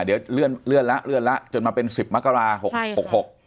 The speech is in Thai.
เดี๋ยวเรื่อนละเรื่อนละจนมาเป็น๑๐๐๐มบ๖๖บ